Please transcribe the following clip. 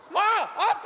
あった！